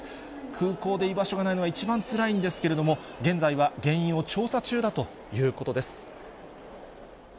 空港で居場所がないのが一番つらいんですけれども、現在は原因を調査中だということです。